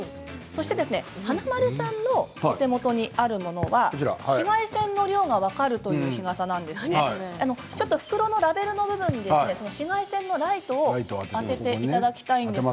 そして華丸さんのお手元にあるのが紫外線の量が分かるという日傘なんですがちょっと袋のラベルの部分に紫外線のライトを当てていただきたいんです。